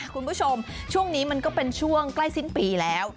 คุณผู้ชมช่วงนี้มันก็เป็นช่วงใกล้สิ้นปีแล้ว